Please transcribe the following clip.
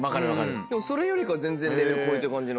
でもそれよりかは全然レベル超えてる感じの。